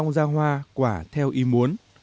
da hoa quả theo ý muốn